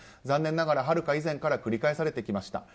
残念ながら、はるか以前から繰り返されてきました。